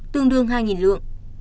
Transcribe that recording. tương đương hai lượng